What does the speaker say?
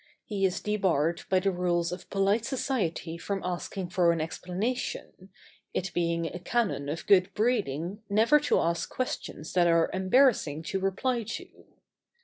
He is debarred by the rules of polite society from asking for an explanation, it being a canon of good breeding never to ask questions that are embarrassing to reply to.